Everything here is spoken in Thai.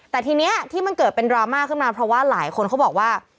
แต่ทีนี้ที่มันเกิดเป็นดราม่าขึ้นมาเพราะว่าหลายคนเขาบอกว่า